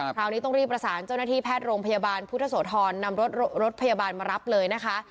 คราวนี้ต้องรีบประสานเจ้าหน้าที่แพทย์โรงพยาบาลพุทธโสธรนำรถรถพยาบาลมารับเลยนะคะ